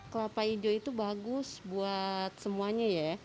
kelapa hijau itu bagus buat semuanya ya